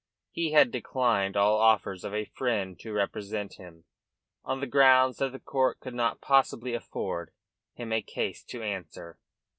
He had declined all offers of a friend to represent him, on the grounds that the court could not possibly afford him a case to answer.